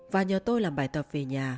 và nhờ tôi làm bài tập về nhà